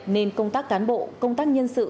nên công tác cán bộ công tác nhân sự